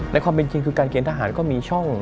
ในความจริงคือการเกณฑ์ทหารก็มีช่อง